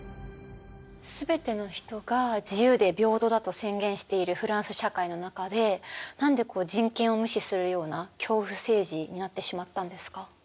全ての人が自由で平等だと宣言しているフランス社会の中で何で人権を無視するような恐怖政治になってしまったんですか？